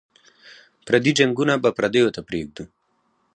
پردي جنګونه به پردیو ته پرېږدو.